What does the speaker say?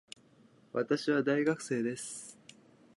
私は大学生です